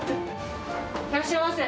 いらっしゃいませ。